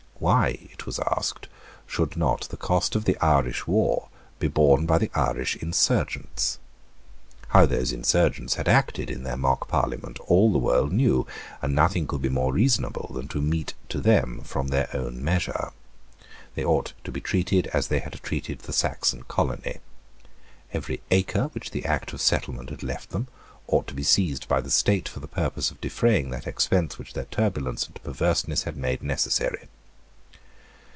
Why, it was asked, should not the cost of the Irish war be borne by the Irish insurgents? How those insurgents had acted in their mock Parliament all the world knew; and nothing could be more reasonable than to mete to them from their own measure. They ought to be treated as they had treated the Saxon colony. Every acre which the Act of Settlement had left them ought to be seized by the state for the purpose of defraying that expense which their turbulence and perverseness had made necessary.